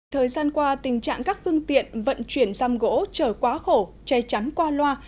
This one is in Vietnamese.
thời gian qua tình trạng các phương tiện vận chuyển giam gỗ chở quá khổ che chắn qua loa